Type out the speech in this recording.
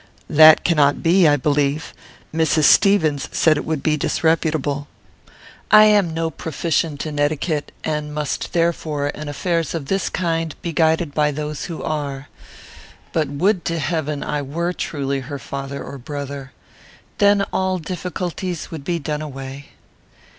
"That cannot be, I believe. Mrs. Stevens says it would be disreputable. I am no proficient in etiquette, and must, therefore, in affairs of this kind, be guided by those who are. But would to heaven I were truly her father or brother! Then all difficulties would be done away."